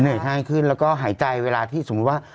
ง่ายขึ้นแล้วก็หายใจเวลาที่สมมุติว่า